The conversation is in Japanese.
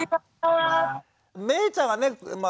めいちゃんはね